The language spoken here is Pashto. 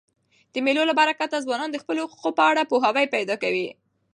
د مېلو له برکته ځوانان د خپلو حقوقو په اړه پوهاوی پیدا کوي.